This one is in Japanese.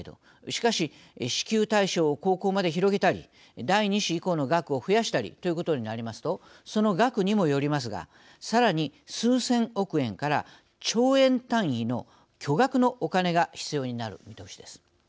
しかし支給対象を高校まで広げたり第２子以降の額を増やしたりということになりますとその額にもよりますがさらに数千億円から兆円単位の巨額のお金が必要になる見通しです。